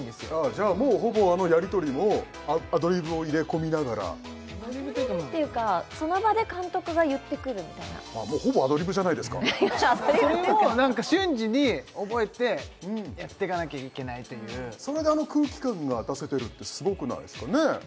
じゃあもうほぼあのやり取りもアドリブを入れ込みながらアドリブっていうかその場で監督が言ってくるみたいなもうほぼアドリブじゃないですかそれを何か瞬時に覚えてやってかなきゃいけないというそれであの空気感が出せてるってすごくないですかね